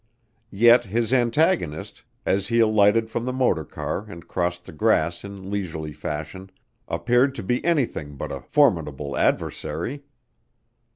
Yet his antagonist, as he alighted from the motor car and crossed the grass in leisurely fashion, appeared to be anything but a formidable adversary.